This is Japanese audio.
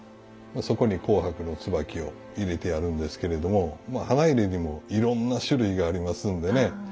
そこに紅白の椿を入れてあるんですけれども花入にもいろんな種類がありますんでね。